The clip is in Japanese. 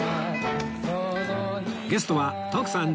ゲストは徳さん